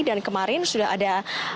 dan kemarin sudah ada